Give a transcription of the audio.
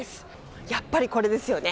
やっぱりこれですよね。